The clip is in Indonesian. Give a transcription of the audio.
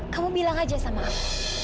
kamu bilang aja sama aku